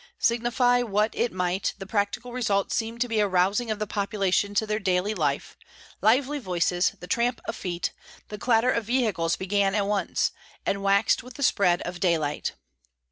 Signify what it might, the practical result seemed to be a rousing of the population to their daily life; lively voices, the tramp of feet, the clatter of vehicles began at once, and waxed with the spread of daylight.